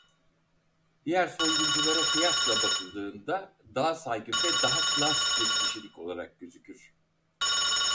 Diğer soygunculara kıyasla bakıldığında daha saygın ve daha klas bir kişilik olarak gözükür.